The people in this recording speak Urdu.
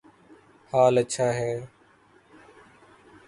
حال اچھا ہے